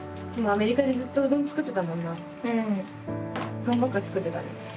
うどんばっか作ってたね。